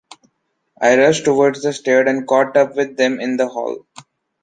I rushed towards the stairs and caught up with them in the hall.